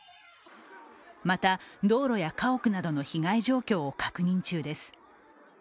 また道路や家屋などの被害状況を確認中です。